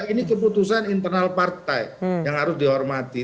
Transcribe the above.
ini keputusan internal partai yang harus dihormati